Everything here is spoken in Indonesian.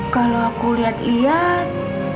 kalau aku lihat lihat